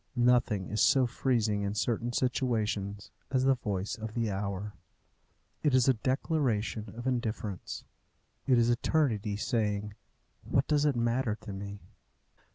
Nothing is so freezing in certain situations as the voice of the hour. It is a declaration of indifference. It is Eternity saying, "What does it matter to me?"